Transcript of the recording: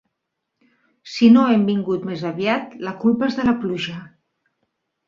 Si no hem vingut més aviat la culpa és de la pluja.